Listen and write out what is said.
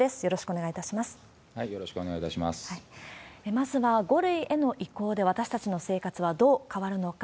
まずは５類への移行で、私たちの生活はどう変わるのか。